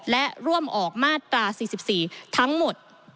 และร่วมออกมาตรา๔๔ทั้งหมด